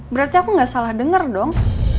berarti aku gak salah dengar dong